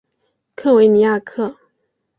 科维尼亚克。